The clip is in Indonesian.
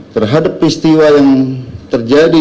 terhadap peristiwa yang terjadi